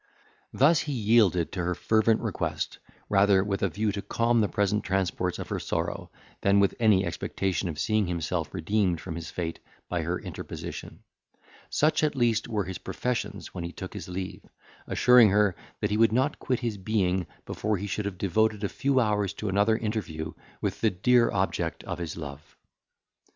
Thus he yielded to her fervent request, rather with a view to calm the present transports of her sorrow, than with any expectation of seeing himself redeemed from his fate by her interposition; such at least were his professions when he took his leave, assuring her, that he would not quit his being before he should have devoted a few hours to another interview with the dear object of his love.